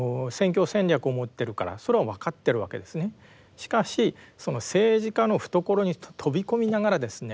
しかしその政治家の懐に飛び込みながらですね